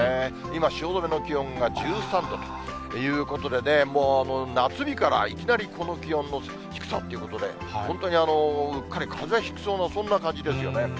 今、汐留の気温が１３度ということでね、もう夏日から、いきなりこの気温の低さということで、本当にうっかりかぜひきそうな、そんな感じですよね。